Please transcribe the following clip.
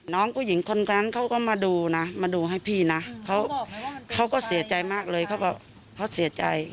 น้องผู้หญิงคนนั้นเขาก็มาดูนะมาดูให้พี่นะเขาก็เสียใจมากเลยเขาบอกเขาเสียใจ